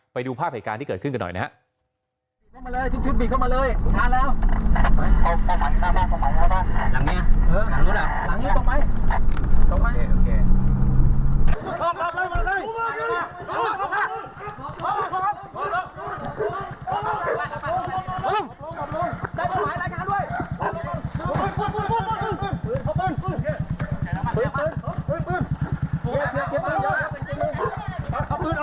ไปดูภาพเหตุการณ์ที่เกิดขึ้นกันหน่อยนะครับ